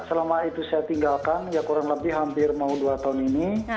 selama itu saya tinggalkan ya kurang lebih hampir mau dua tahun ini